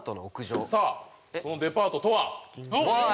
そのデパートとは？